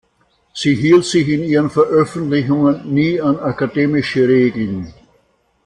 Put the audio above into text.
Sie hielt sich in ihren Veröffentlichungen nie an akademische Regeln.